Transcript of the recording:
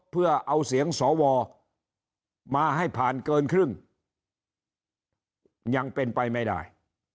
เพื่อเอาเสียงสวมาให้ผ่านเกินครึ่งยังเป็นไปไม่ได้